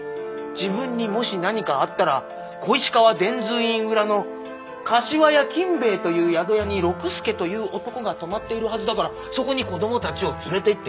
自分にもし何かあったら小石川伝通院裏の柏屋金兵衛という宿屋に六助という男が泊まっているはずだからそこに子どもたちを連れていってくれって。